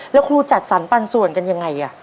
แล้วครูจัดสรรปันส่วนกันยังไง